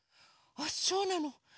あそうなの。